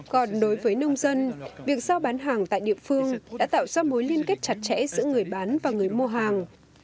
còn đối với nông dân việc giao bán hàng tại địa phương đã tạo ra mối liên kết chặt chẽ giữa người bán và người mua hàng